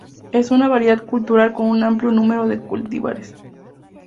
Es una variedad cultural con un amplio número de cultivares.